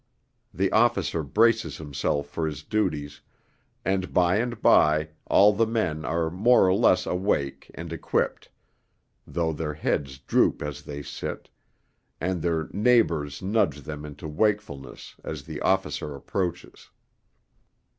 The officer braces himself for his duties, and by and by all the men are more or less awake and equipped, though their heads droop as they sit, and their neighbours nudge them into wakefulness as the officer approaches.